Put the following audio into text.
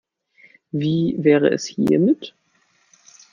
Wie wäre es hiermit?